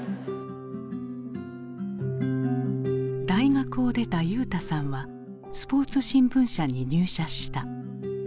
大学を出た裕大さんはスポーツ新聞社に入社した。